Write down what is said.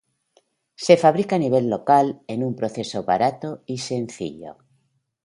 Se fabrica a nivel local en un proceso barato y sencillo.